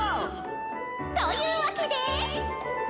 「というわけで」。